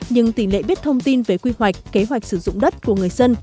nhưng tỷ lệ biết thông tin về quy hoạch kế hoạch sử dụng đất của người dân